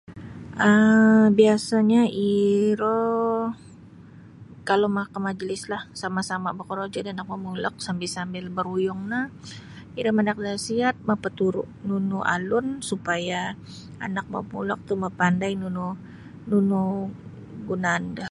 um biasa'nyo iiro kalau makamajlislah sama'-sama' bokorojo da anak momulok sambil-sambil baruyung no iro manaak da nasiat mapaturu' nunu alun supaya anak momulok tu mapandai nunu nunu gunaan do.